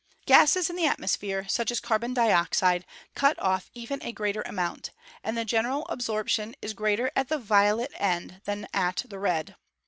Gases in the atmosphere, such as carbon dioxide, cut off even a greater amount, and the general absorption is greater at the violet end than at the red.